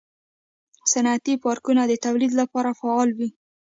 صنعتي پارکونه د تولید لپاره فعال وي.